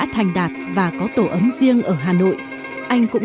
tại vì nó cứng